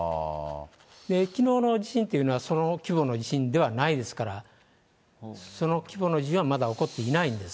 きのうの地震っていうのは、その規模の地震ではないですから、その規模の地震はまだ起こっていないんです。